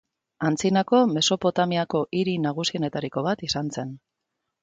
Antzinako Mesopotamiako hiri nagusienetariko bat izan zen.